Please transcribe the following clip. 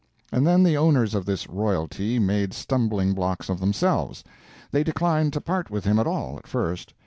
And then the owners of this royalty made stumbling blocks of themselves. They declined to part with him at all, at first.